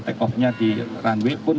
take off nya di runway pun